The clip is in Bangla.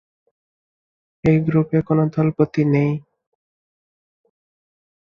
এই গ্রুপে কোনো দলপতি নেই।